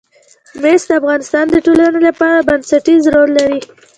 مس د افغانستان د ټولنې لپاره بنسټيز رول لري.